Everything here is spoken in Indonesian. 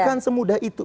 bukan semudah itu